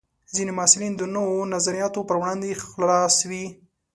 ځینې محصلین د نوو نظریاتو پر وړاندې خلاص وي.